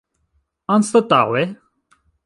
anstataŭe